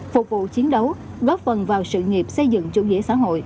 phục vụ chiến đấu góp phần vào sự nghiệp xây dựng chủ nghĩa xã hội